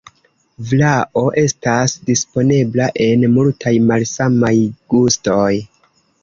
Vlao estas disponebla en multaj malsamaj gustoj.